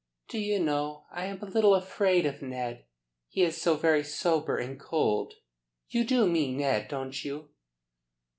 "Do you know, I am a little afraid of Ned. He is so very sober and cold. You do mean Ned don't you?"